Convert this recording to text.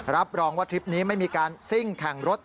รับรองว่าทริปนี้ไม่มีการซิ่งแข่งรถ